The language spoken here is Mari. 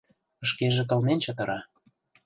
Шкеже кылмен чытыра.